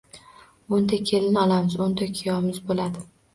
O‘nta kelin olamiz, o‘nta kuyovimiz bo‘ladi…